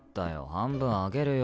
半分あげるよ。